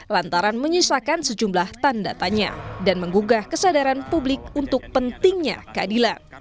lantaran menyisakan sejumlah tanda tanya dan menggugah kesadaran publik untuk pentingnya keadilan